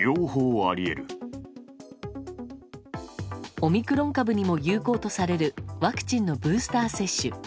オミクロン株にも有効とされるワクチンのブースター接種。